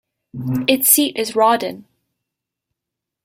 Its seat is Rawdon.